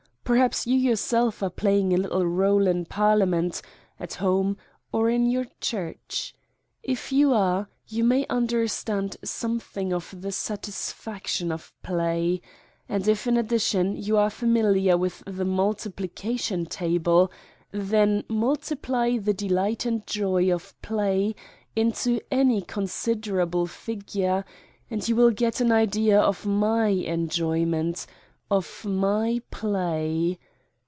Perhaps you yourself are playing a little role in Parliament, at home, or in your church. If you are, you may understand something of the satisfaction of play. And, if in addition, you are familiar with the multipli cation table, then multiply the delight and joy of play into any considerable figure and you will get an idea of My enjoyment, of My play.